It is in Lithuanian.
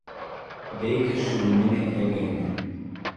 Veikia šiluminė jėgainė.